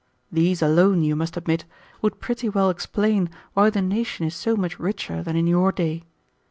These alone, you must admit, would pretty well explain why the nation is so much richer than in your day.